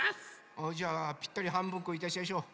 あじゃあぴったりはんぶんこいたしやしょう。